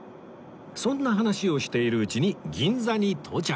そんな話をしているうちに銀座に到着